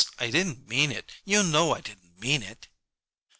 I didn't mean it; you know I didn't mean it!"